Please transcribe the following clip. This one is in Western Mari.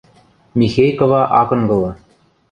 Михей кыва ак ынгылы.